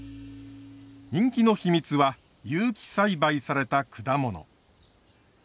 人気の秘密は有機栽培された果物。